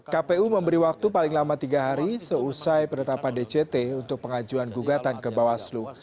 kpu memberi waktu paling lama tiga hari seusai penetapan dct untuk pengajuan gugatan ke bawaslu